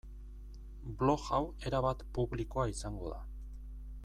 Blog hau erabat publikoa izango da.